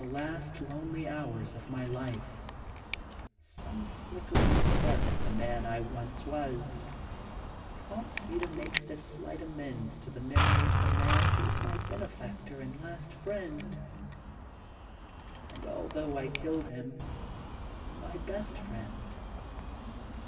41 last lonely hours of my life, some flicker ing spark of the man I once was, prompts me to make this slight amends to the memory of the man who was my bene factor and last friend, and, although I killed him, my best friend.